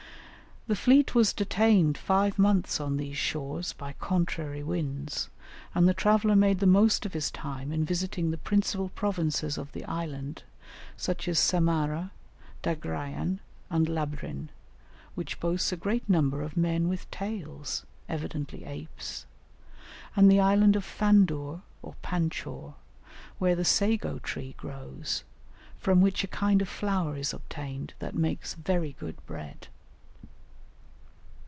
The fleet was detained five months on these shores by contrary winds, and the traveller made the most of his time in visiting the principal provinces of the island, such as Samara, Dagraian, and Labrin (which boasts a great number of men with tails evidently apes), and the island of Fandur or Panchor, where the sago tree grows, from which a kind of flour is obtained that makes very good bread.